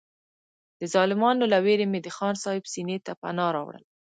د ظالمانو له وېرې مې د خان صاحب سینې ته پناه راوړله.